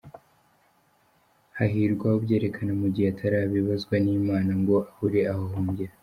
hahirwa ubyerekana mu gihe atarabibazwa n’Imana ngo abure aho ahungira.